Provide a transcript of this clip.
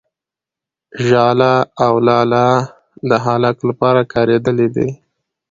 ، ژاله او لاله د هلک لپاره کارېدلي دي.